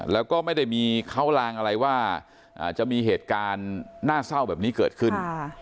แล้วก็ไม่ได้มีเขาลางอะไรว่าจะมีเหตุการณ์น่าเศร้าแบบนี้เกิดขึ้น